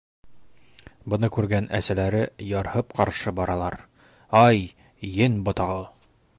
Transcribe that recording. Быны күргән әсәләре ярһып ҡаршы баралар: - Ай, ен ботағы!